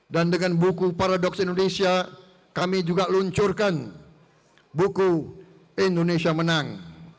dan dengan buku paradox indonesia kami juga luncurkan buku indonesia menang